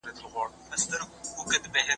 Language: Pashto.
ولي زموږ په هېواد کي بنسټیزي څېړني کمي دي؟